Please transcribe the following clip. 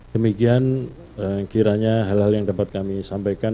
demikian kiranya hal hal yang dapat kami sampaikan